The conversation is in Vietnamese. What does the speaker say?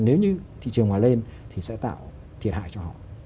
nếu như thị trường hòa lên thì sẽ tạo thiệt hại cho họ